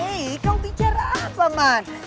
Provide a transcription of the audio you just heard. hei kau bicara apa man